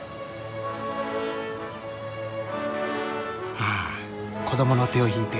ああ子どもの手を引いて。